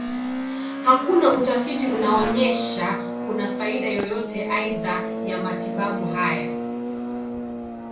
Hakuna utafiti unaonyesha kuna faida yoyote aidha ya matibabu haya.